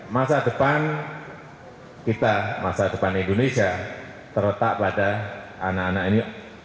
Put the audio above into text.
masa depan kita masa depan indonesia terletak pada anak anak ini